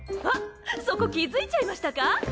あっそこ気付いちゃいましたか？